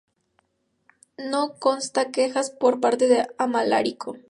No constan quejas por parte de Amalarico.